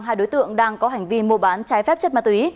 hai đối tượng đang có hành vi mua bán trái phép chất ma túy